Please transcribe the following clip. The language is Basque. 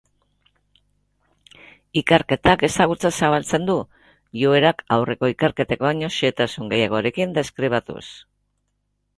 Ikerketak ezagutza zabaltzen du, joerak aurreko ikerketek baino xehetasun gehiagorekin deskribatuz.